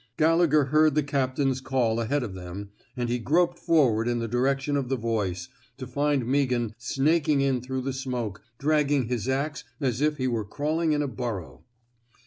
Gallegher heard the cap tain's call ahead of them, and he groped forward in the direction of the voice, to find Meaghan snaking in through the smoke, dragging his ax as if he were crawling in a burrow.